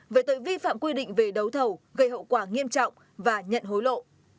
về tội vi phạm quy định về đấu thầu gây hậu quả nghiêm trọng và nhận hối lộ